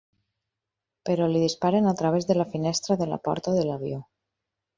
Però li disparen a través de la finestra de la porta de l'avió.